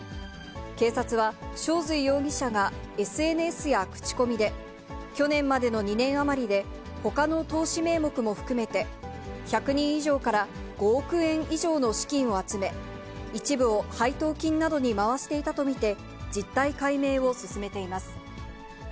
警察は、正瑞容疑者がＳＮＳや口コミで、去年までの２年余りでほかの投資名目も含めて、１００人以上から５億円以上の資金を集め、一部を配当金などに回していたと見て、実態解明を進めています。